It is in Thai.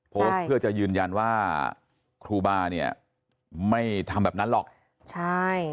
โพสต์เพื่อจะยืนยันว่าครูบาเนี่ยไม่ทำแบบนั้นหรอกใช่